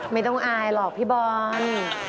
ไม่ต้องอายหรอกพี่บอล